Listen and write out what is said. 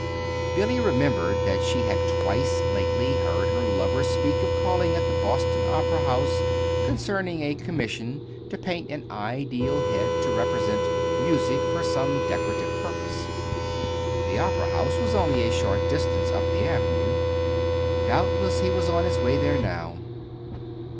Billy remembered then that she had twice lately heard her lover speak of calling at the Boston Opera House concerning a commission to paint an ideal head to represent "Music" for some decorative purpose. The Opera House was only a short distance up the Avenue. Doubtless he was on his way there now.